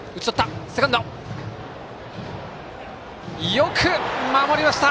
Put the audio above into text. よく守りました！